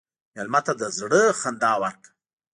مېلمه ته د زړه نه خندا ورکړه.